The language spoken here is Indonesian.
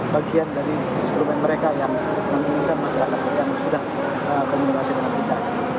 bagian dari instrumen mereka yang menginginkan masyarakat yang sudah komunikasi dengan kita